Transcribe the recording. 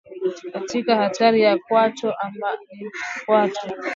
Katika hatua hatari zaidi pembe ya kwato hutengana na ukingo wa kwato